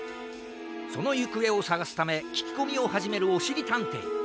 そのゆくえをさがすためききこみをはじめるおしりたんてい。